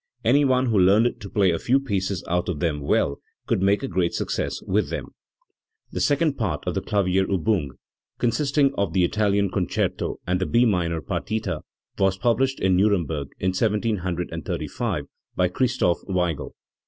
Any one who learned to play a few pieces out of them well could make a great success with them"*. The second part of the Klavierubung, consisting of the Italian Concerto and the B minor partita, was published in Nuremberg in 1735 by Christoph Weigel.